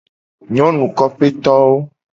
Kopetowo nyonuwo.